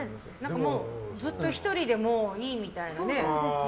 ずっと１人でいいみたいなね。